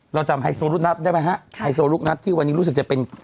เราจำไฮโซลูกนัดได้ไหมฮะไฮโซลูกนัดที่วันนี้รู้สึกจะเป็น